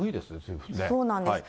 そうなんです。